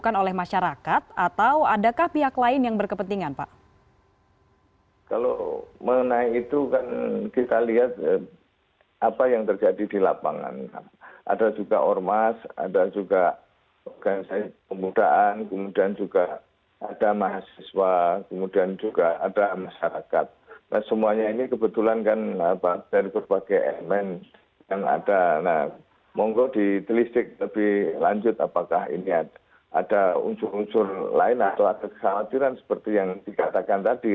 nah monggo di telistik lebih lanjut apakah ini ada unsur unsur lain atau ada kesalahan seperti yang dikatakan tadi